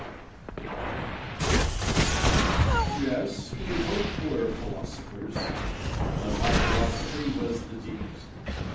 Yes, we both were philosophers; but my philosophy was the deepest.